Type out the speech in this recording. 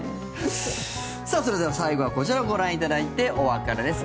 それでは、最後はこちらをご覧いただいてお別れです。